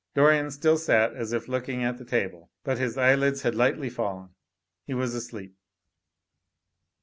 Dorian still sat as if looking at the table, but his eyelids had lightly fallen; he was asleep.